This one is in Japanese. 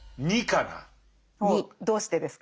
２。どうしてですか？